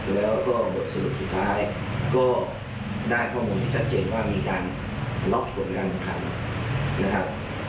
แล้วก็บทสรุปสุดท้ายก็ได้ข้อมูลที่ชัดเจนว่ามีการล็อกผลการแข่งขันนะครับ